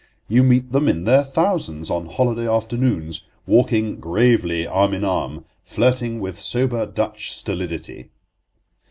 You meet them in their thousands on holiday afternoons, walking gravely arm in arm, flirting with sober Dutch stolidity.